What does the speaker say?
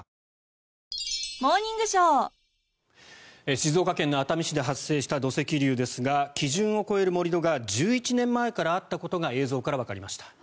静岡県の熱海市で発生した土石流ですが基準を超える盛り土が１１年前からあったことが映像からわかりました。